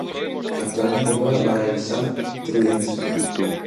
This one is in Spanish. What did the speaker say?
Actualmente juega para el Sint-Truidense.